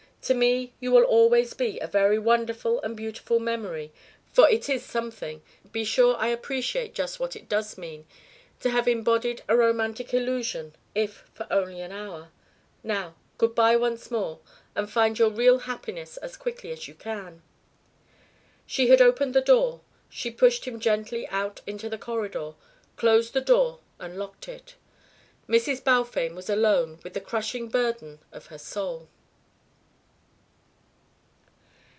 To me you will always be a very wonderful and beautiful memory, for it is something be sure I appreciate just what it does mean to have embodied a romantic illusion if only for an hour. Now good bye once more; and find your real happiness as quickly as you can." She had opened the door. She pushed him gently out into the corridor, closed the door and locked it. Mrs. Balfame was alone with the crushing burden of her soul.